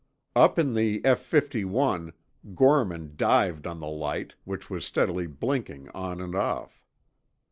Up in the F 51, Gorman dived on the light, which was steadily blinking on and off.